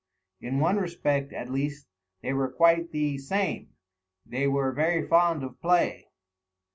In one respect, at least, they were quite the same they were very fond of play.